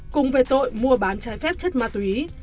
cùng về tội mua bán trái phép chất ma túy